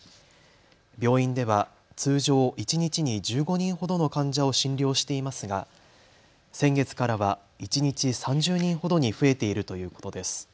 病院では通常一日に１５人ほどの患者を診療していますが先月からは一日３０人ほどに増えているということです。